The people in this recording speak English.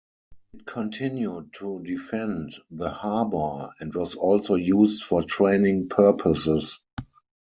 It continued to defend the harbour and was also used for training purposes.